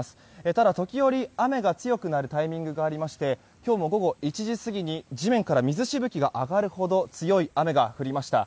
ただ時折、雨が強くなるタイミングがありまして今日も午後１時過ぎに地面から水しぶきが上がるほど強い雨が降りました。